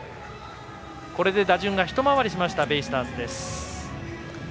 これで打順が一回りしましたベイスターズです。